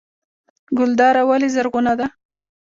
ګلدره ولې زرغونه ده؟